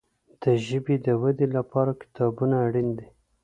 د ژبي د ودي لپاره کتابونه اړین دي.